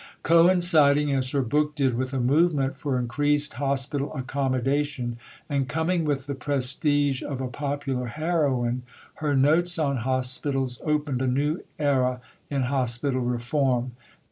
Coinciding, as her book did, with a movement for increased hospital accommodation, and coming with the prestige of a popular heroine, her Notes on Hospitals opened a new era in hospital reform.